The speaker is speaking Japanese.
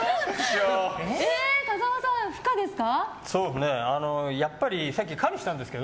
風間さん不可ですか？